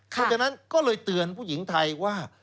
เพราะฉะนั้นก็เลยเตือนผู้หญิงไทยว่า